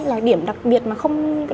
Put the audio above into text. là điểm đặc biệt mà đối thủ không có